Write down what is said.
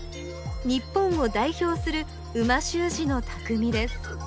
日本を代表する美味しゅう字のたくみです